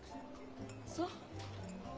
そう。